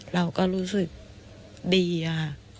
เราก็รู้สึกดีอะค่ะ